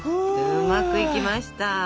うまくいきました！